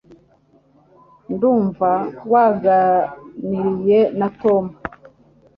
Ndumva waganiriye na Tom.